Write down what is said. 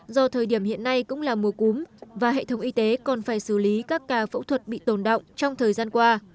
do thời điểm hiện nay cũng là mùa cúm và hệ thống y tế còn phải xử lý các ca phẫu thuật bị tồn động trong thời gian qua